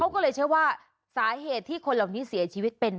ก็รวมเป็น